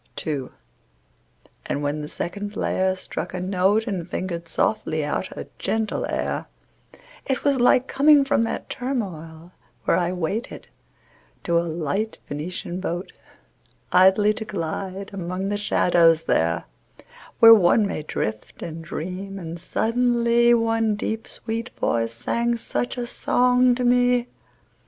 II. But when the second player struck a note And fingered softly out a gentle air It was like coming from that turmoil where I waited, to a light Venetian boat, Idly to glide among the shadows, there Where one may drift and dream; and suddenly One deep sweet voice sang such a song to me.